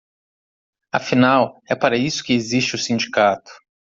Afinal, é para isso que existe o sindicato.